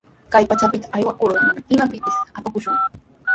Kay pachapita aywakurqa, manami imatapis apakushunku.